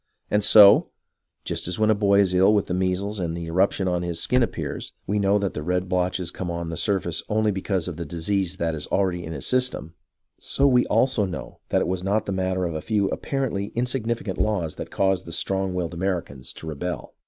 And so, just as when a boy is ill with the measles and the eruption on his skin appears, we know that the red blotches come on the surface only because of the disease that is already in his system; so we also know that it was not the matter of a few apparently insignificant laws that caused the strong willed Americans to rebel.